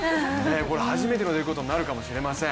これ初めてということになるかもしれません。